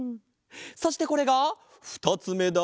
そしてこれがふたつめだ。